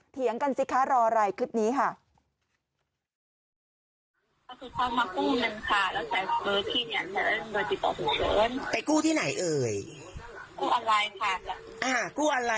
เถียงกันสิคะรออะไรคลิปนี้ค่ะ